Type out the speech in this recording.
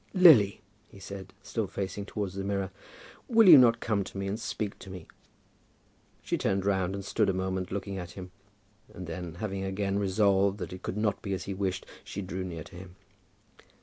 "Lily," he said, still facing towards the mirror, "will you not come to me and speak to me?" She turned round, and stood a moment looking at him, and then, having again resolved that it could not be as he wished, she drew near to him.